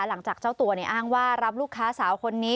หลังจากเจ้าตัวอ้างว่ารับลูกค้าสาวคนนี้